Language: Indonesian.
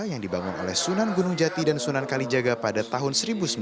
yang dibangun oleh sunan gunung jati dan sunan kalijaga pada tahun seribu sembilan ratus sembilan puluh